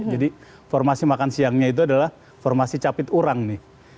jadi formasi makan siangnya itu adalah formasi capit urang nih